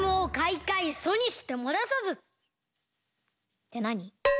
ってなに？